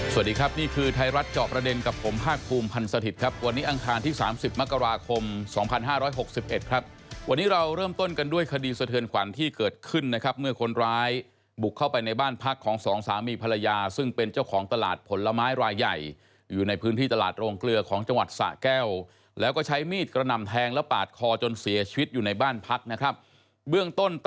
สวัสดีครับนี่คือไทยรัฐจอบประเด็นกับผมฮาคภูมิพันธ์สถิตย์ครับวันนี้อังคารที่๓๐มกราคม๒๕๖๑ครับวันนี้เราเริ่มต้นกันด้วยคดีสะเทินขวัญที่เกิดขึ้นนะครับเมื่อคนร้ายบุกเข้าไปในบ้านพักของสองสามีภรรยาซึ่งเป็นเจ้าของตลาดผลไม้รายใหญ่อยู่ในพื้นที่ตลาดโรงเกลือของจังหวัดสะแ